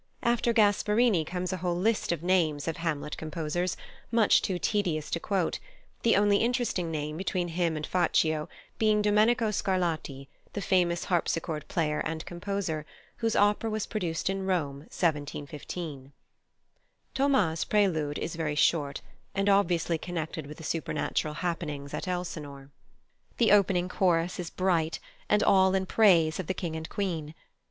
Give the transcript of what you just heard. After Gasparini comes a whole list of names of Hamlet composers, much too tedious to quote, the only interesting name between him and Faccio being +Domenico Scarlatti+, the famous harpsichord player and composer, whose opera was produced in Rome, 1715. Thomas's prelude is very short, and obviously connected with the supernatural happenings at Elsinore. The opening chorus is bright, and all in praise of the King and Queen.